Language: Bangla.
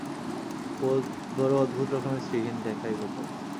বড় অদ্ভুত রকমের শ্রীহীন দেখায় গোপালকে।